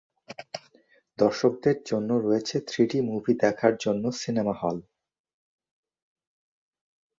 দর্শকদের জন্য রয়েছে থ্রিডি মুভি দেখার জন্য সিনেমা হল।